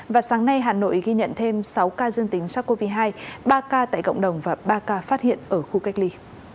và sáng nay hà nội ghi nhận thêm sáu ca dương tính sars cov hai ba ca tại cộng đồng và ba ca phát hiện ở khu cách ly